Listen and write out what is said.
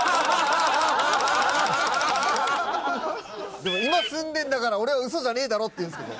でも今住んでんだから俺はウソじゃねえだろって言うんですけど。